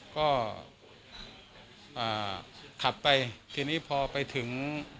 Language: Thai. ก็ขับไปทีนี้พอไปถึง